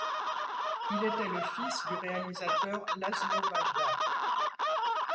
Il était le fils du réalisateur László Vajda.